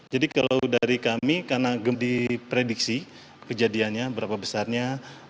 jadi kalau dari kami karena di prediksi kejadiannya berapa besarnya